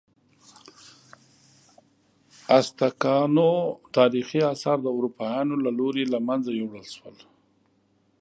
ازتکانو تاریخي آثار د اروپایانو له لوري له منځه یوړل شول.